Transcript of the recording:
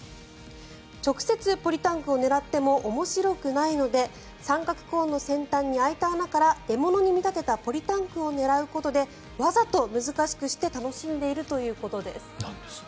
直接ポリタンクを狙っても面白くないので三角コーンの先端に開いた穴から獲物に見立てたポリタンクを狙うことでわざと難しくしてなんですって。